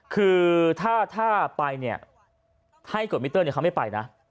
คือถ้าไปถ้าให้กดมิเติร์ดเขาไม่ไปนะ